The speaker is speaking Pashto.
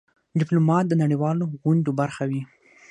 ډيپلومات د نړېوالو غونډو برخه وي.